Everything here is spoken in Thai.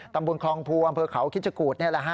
ตำบูรณ์คลองภูอำเภอเขาคิดชะกูธนี่แหละ